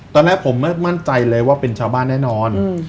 ตอนแรกผมไม่มั่นใจเลยว่าเป็นชาวบ้านแน่นอน